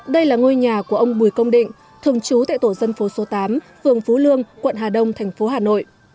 đây là ngôi nhà của ông bùi công định thường trú tại tổ dân phố số tám phường phú lương quận hà đông thành phố hà nội